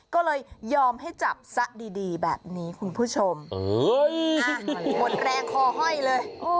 ก็เลยยอมให้จับซะดีดีแบบนี้คุณผู้ชมหมดแรงคอห้อยเลย